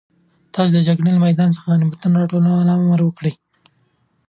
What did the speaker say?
تاسو د جګړې له میدانه د غنیمتونو د راټولولو امر وکړئ.